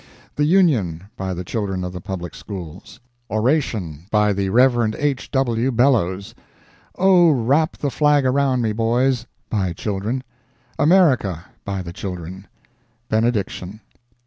"The Union," by Children of the Public Schools. Oration, by the Rev. H. W. Bellows. "O wrap the flag around me, boys," by Children. "America," by the Children. Benediction.